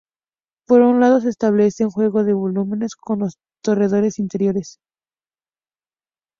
Por un lado se establece un juego de volúmenes con los torreones interiores.